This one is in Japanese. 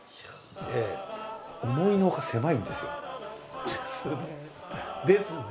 思いのほか狭いんですよ。ですね。